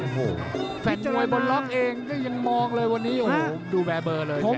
โอ้โหแฟนมวยบนล็อกเองก็ยังมองเลยวันนี้โอ้โหดูแวร์เบอร์เลย